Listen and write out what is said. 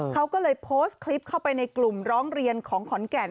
เขาก็เลยโพสต์คลิปเข้าไปในกลุ่มร้องเรียนของขอนแก่น